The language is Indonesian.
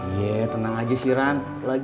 iya tenang aja sih ran lagi